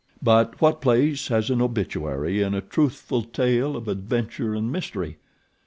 But what place has an obituary in a truthful tale of adventure and mystery!